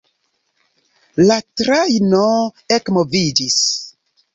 La trajno ekmoviĝis.